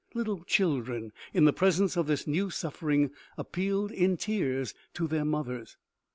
Little children, in the presence of this new suffering, appealed in tears to their mothers.